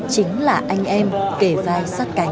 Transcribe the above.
chính là anh em kể vai